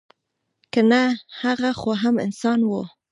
که نه هغه خو هم انسان وه.